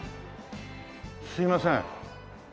すいません。